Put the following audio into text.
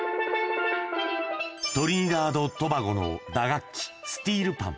トリニダード・トバゴの打楽器、スティールパン。